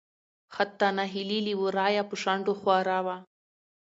حتا نهيلي له ورايه په شنډو خوره وه .